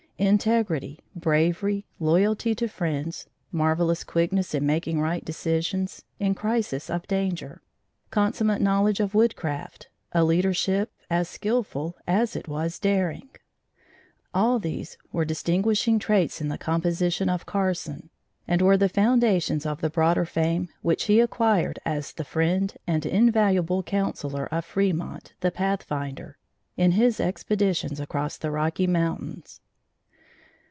Integrity, bravery, loyalty to friends, marvelous quickness in making right decisions, in crisis of danger, consummate knowledge of woodcraft, a leadership as skilful as it was daring; all these were distinguishing traits in the composition of Carson and were the foundations of the broader fame which he acquired as the friend and invaluable counselor of Fremont, the Pathfinder, in his expeditions across the Rocky Mountains.